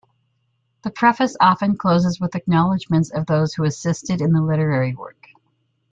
The preface often closes with acknowledgments of those who assisted in the literary work.